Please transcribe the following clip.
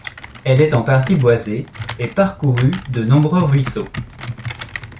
Elle est en partie boisée, et est parcourue de nombreux ruisseaux.